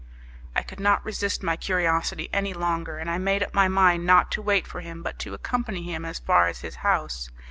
I could not resist my curiosity any longer, and I made up my mind not to wait for him but to accompany him as far as his house.